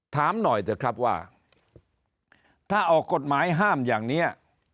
ถามหน่อยเถอะครับว่าถ้าออกกฎหมายห้ามอย่างนี้